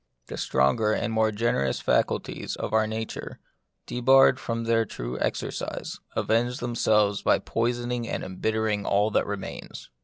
The stronger and more gene rous faculties of our nature, debarred from their true exercise, avenge themselves by poisoning and embittering all that remains.